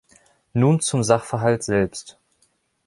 Nun zum Sachverhalt selbst.